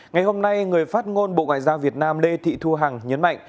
ngày hôm nay người phát ngôn bộ ngoại giao việt nam lê thị thu hằng nhấn mạnh